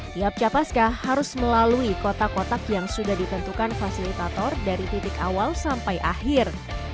tiap capaska harus melalui kotak kotak yang sudah ditentukan fasilitator dari titik awal sampai akhir